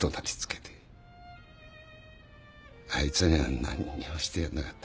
あいつには何にもしてやれなかった。